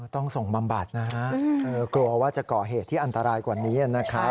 ต้องส่งบำบัดนะฮะกลัวว่าจะก่อเหตุที่อันตรายกว่านี้นะครับ